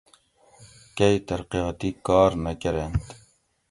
کئی ترقیاتی کار نہ کۤرینت